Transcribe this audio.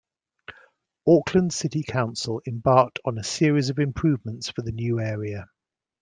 Auckland City Council embarked on a series of improvements for the new area.